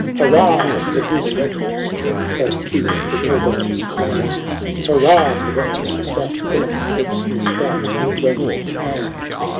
XXVI. " Hurrah ! for the good weapons That keep the War god's land. Hurrah ! for Rome's stout pilum In a stout Roman hand.